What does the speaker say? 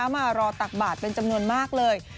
มารอตักบาทเป็นจำนวนมากเลย